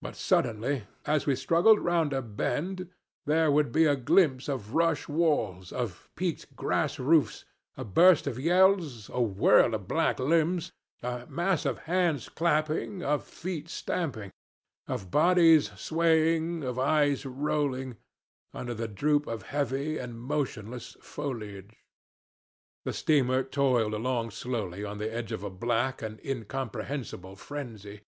But suddenly, as we struggled round a bend, there would be a glimpse of rush walls, of peaked grass roofs, a burst of yells, a whirl of black limbs, a mass of hands clapping, of feet stamping, of bodies swaying, of eyes rolling, under the droop of heavy and motionless foliage. The steamer toiled along slowly on the edge of a black and incomprehensible frenzy.